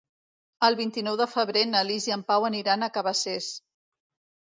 El vint-i-nou de febrer na Lis i en Pau aniran a Cabacés.